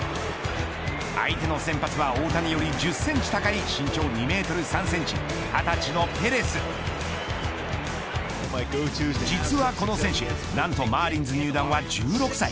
相手の先発は大谷より１０センチ高い身長２メートル３センチ２０歳のペレス実はこの選手何とマーリンズ入団は１６歳